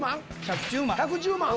１１０万？